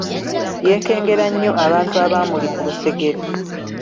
Yeekengera nnyo abantu abaamuli ku lusegere.